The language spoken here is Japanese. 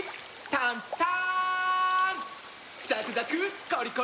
タンターン！